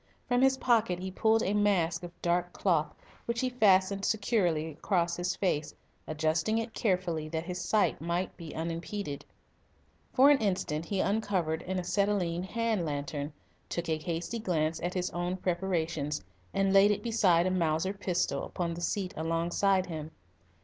From his pocket he pulled a mask of dark cloth, which he fastened securely across his face, adjusting it carefully that his sight might be unimpeded. For an instant he uncovered an acetylene hand lantern, took a hasty glance at his own preparations, and laid it beside a Mauser pistol upon the seat alongside him.